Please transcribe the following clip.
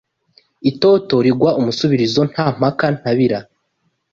Itoto rigwa umusubizo Nta mpaka ntabira